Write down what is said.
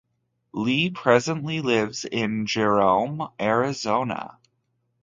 Lee presently lives in Jerome, Arizona.